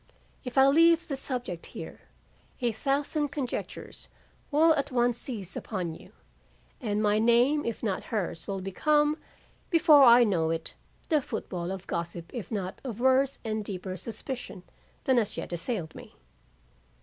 If I leave the subject here, a thousand conjectures will at once seize upon you, and my name if not hers will become, before I know it, the football of gossip if not of worse and deeper suspicion than has yet assailed me.